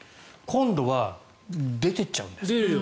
今度は出ていっちゃうんです。